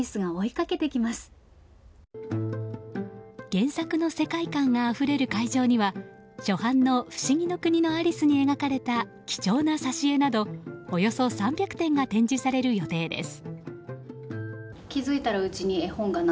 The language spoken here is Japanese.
原作の世界観があふれる会場には初版の「不思議の国のアリス」に描かれた貴重な挿絵などおよそ３００点が展示される予定です。